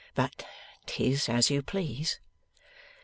But 'tis as you please.